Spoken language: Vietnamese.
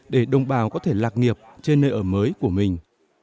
để đồng bào có thể lạc nghiệp trên nơi ở mới của mình